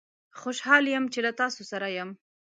خوشحال یم چې له تاسوسره یم